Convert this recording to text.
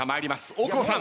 大久保さん。